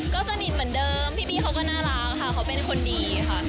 ก็สนิทเหมือนเดิมพี่บี้เขาก็น่ารักค่ะเขาเป็นคนดีค่ะ